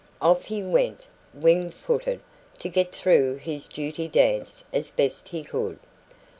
Off he went, wing footed, to get through his duty dance as best he could.